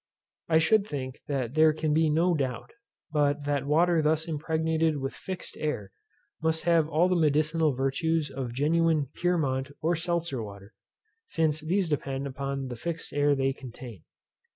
I should think that there can be no doubt, but that water thus impregnated with fixed air must have all the medicinal virtues of genuine Pyrmont or Seltzer water; since these depend upon the fixed air they contain.